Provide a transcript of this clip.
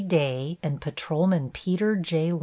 Day and Patrolman Peter J.